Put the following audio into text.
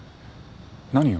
何を？